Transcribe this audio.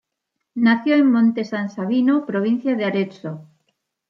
Nació en Monte San Savino, Provincia de Arezzo.